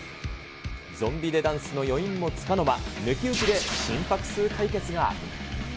ゾンビ・デ・ダンスの余韻もつかの間、抜き打ちで心拍数対決が。